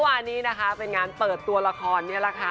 วันนี้นะคะเป็นงานเปิดตัวละครนี่แหละค่ะ